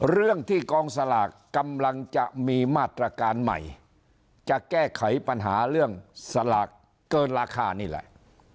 เรื่องที่กองสลากกำลังจะมีมาตรการใหม่จะแก้ไขปัญหาเรื่องสลากเกินราคานี่แหละ